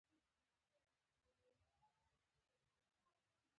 د خبوشان په یو منزلي کې خېمې ووهلې.